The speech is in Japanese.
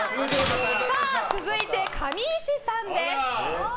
続いて、上石さんです。